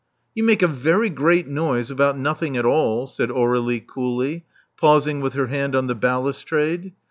'*You make a very great noise about nothing at all," said Aur^lie coolly, pausing with her hand on the balustrade.